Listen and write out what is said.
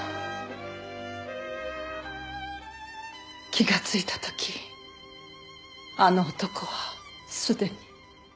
気がついた時あの男は既に。